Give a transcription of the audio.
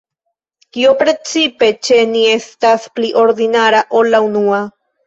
Kio precipe ĉe ni estas pli ordinara ol la unua?